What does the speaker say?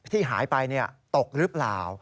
ที่หายไปตกหรือเปล่า